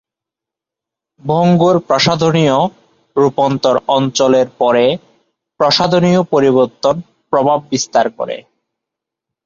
ভঙ্গুর-প্রসারণীয় রূপান্তর অঞ্চলের পরে, প্রসারণীয় পরিবর্তন প্রভাব বিস্তার করে।